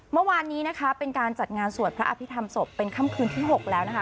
เมื่อวานนี้นะคะเป็นการจัดงานสวดพระอภิษฐรรมศพเป็นค่ำคืนที่๖แล้วนะคะ